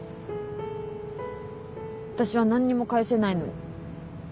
私は何にも返せないのに。